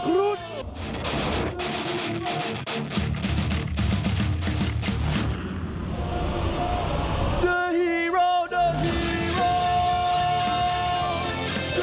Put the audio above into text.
สร้างการที่กระทะนัก